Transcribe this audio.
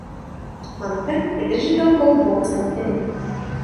Hunter je držitelkou dvou ceny Emmy.